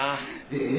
ええ！